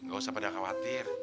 gak usah pada khawatir